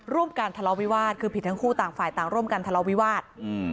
การทะเลาะวิวาสคือผิดทั้งคู่ต่างฝ่ายต่างร่วมกันทะเลาวิวาส